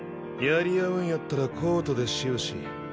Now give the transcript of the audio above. やり合うんやったらコートでしよし。